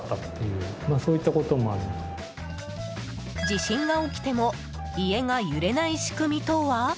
地震が起きても家が揺れない仕組みとは？